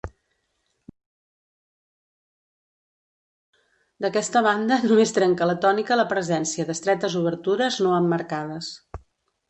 D'aquesta banda, només trenca la tònica la presència d'estretes obertures no emmarcades.